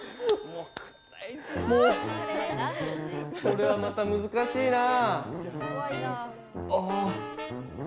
これはまた難しいな。